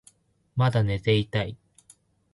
まだ寝ていたい